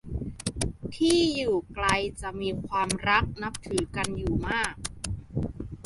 ที่อยู่ไกลจะมีความรักนับถือกันอยู่มาก